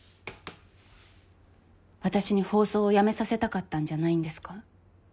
私に放送をやめさせたかったんじゃないんですか？